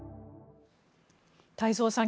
太蔵さん